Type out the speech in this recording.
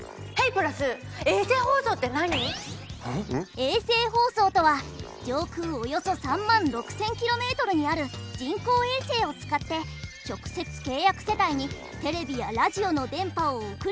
衛星放送とは上空およそ３万６，０００ｋｍにある人工衛星を使って直接契約世帯にテレビやラジオの電波を送り届ける放送サービスなんだよ。